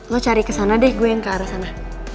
lo cari kesana deh gue yang ke arah sana